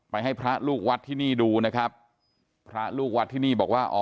ให้พระลูกวัดที่นี่ดูนะครับพระลูกวัดที่นี่บอกว่าอ๋อ